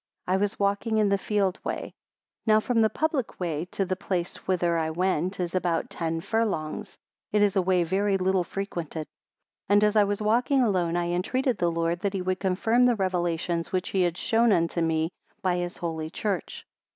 I was walking in the field way. 2 Now from the public way to the place whither I went is about ten furlongs; it is a way very little frequented: 3 And as I was walking alone, I entreated the Lord that he would confirm the Revelations which he had shown unto me by his Holy Church.